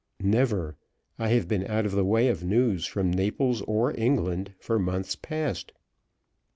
"Never. I have been out of the way of news from Naples or England for months past."